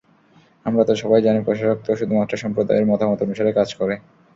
আমরা তো সবাই জানি প্রশাসক তো শুধুমাত্র সম্প্রদায়ের মতামত অনুসারে কাজ করে।